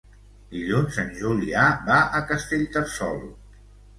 Dilluns en Julià va a Castellterçol.